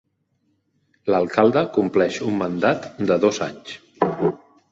L'alcalde compleix un mandat de dos anys.